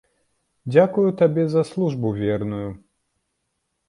Дзякую табе за службу верную!